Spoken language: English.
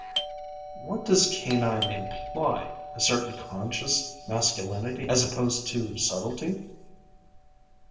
"What does canine imply? A certain conscious masculinity as opposed to subtlety?"